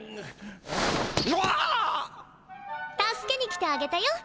助けに来てあげたよ